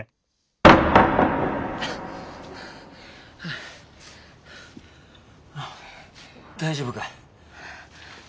あっ大丈夫か？